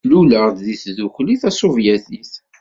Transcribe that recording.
Luleɣ-d deg Tdukli Tasuvyatit.